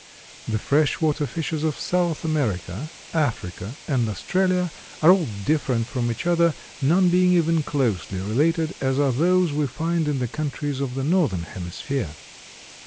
The fresh water fishes of South America, Africa and Australia are all different from each other, none being even closely related as are those we find in the countries of the northern hemisphere.